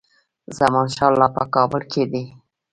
زمانشاه لا په کابل کې دی.